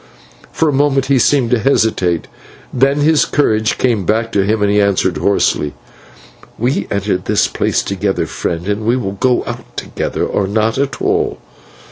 For a moment he seemed to hesitate, then his courage came back to him, and he answered hoarsely: "We entered this place together, friend, and we will go out together, or not at all.